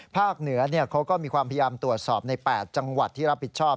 เหนือเขาก็มีความพยายามตรวจสอบใน๘จังหวัดที่รับผิดชอบ